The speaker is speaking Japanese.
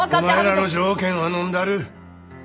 お前らの条件はのんだる。